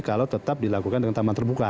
kalau tetap dilakukan dengan taman terbuka